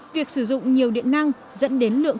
việc sử dụng nhiều điện năng dẫn đến lượng